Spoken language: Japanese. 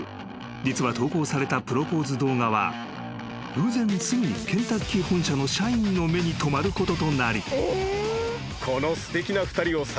実は投稿されたプロポーズ動画は偶然すぐにケンタッキー本社の社員の目に留まることとなり］